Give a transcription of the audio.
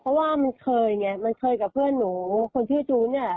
เพราะว่ามันเคยไงมันเคยกับเพื่อนหนูคนชื่อจู้เนี่ย